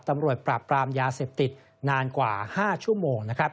ตำรวจปราบปรามยาเสพติดนานกว่า๕ชั่วโมงนะครับ